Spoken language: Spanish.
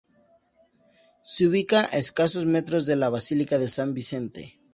Se ubica a escasos metros de la basílica de San Vicente.